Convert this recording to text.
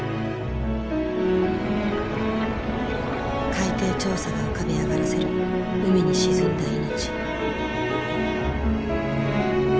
海底調査が浮かび上がらせる海に沈んだ命。